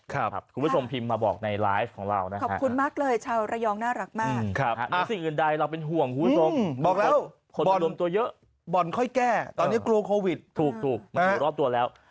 คุณผู้ชมพิมพ์มาบอกในไลฟ์ของเรานะ